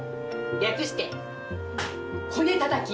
略してこねたたき！